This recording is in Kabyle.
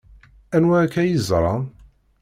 Anwa akka i yeẓran?